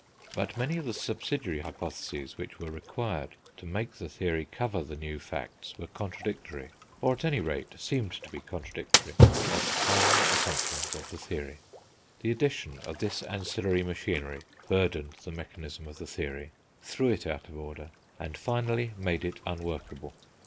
But many of the subsidiary hypotheses which were required to make the theory cover the new facts were contradictory, or at any rate seemed to be contradictory, of the primary assumptions of the theory. The addition of this ancillary machinery burdened the mechanism of the theory, threw it out of order, and finally made it unworkable.